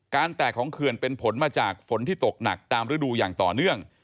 แตกของเขื่อนเป็นผลมาจากฝนที่ตกหนักตามฤดูอย่างต่อเนื่อง